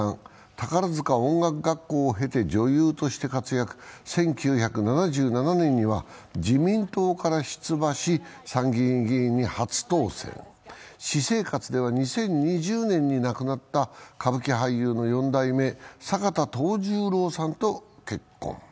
宝塚音楽学校を経て女優として活躍、１９７７年には自民党から出馬し、参議院議員に初当選、私生活では２０２０年に亡くなった歌舞伎俳優の四代目・坂田藤十郎さんと結婚。